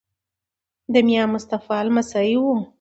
د میا مصطفی لمسی وو.